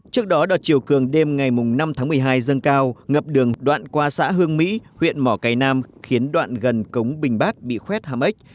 trước đó đợt triều cường đêm ngày năm tháng một mươi hai dâng cao ngập đường đoạn qua xã hương mỹ huyện mỏ cầy nam khiến đoạn gần cống bình bát bị khuét hàm ếch